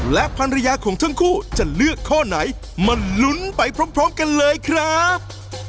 และภรรยาของทั้งคู่จะเลือกข้อไหนมาลุ้นไปพร้อมกันเลยครับ